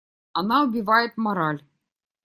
Она убивает мораль.